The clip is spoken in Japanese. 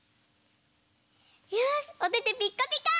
よしおててピッカピカ！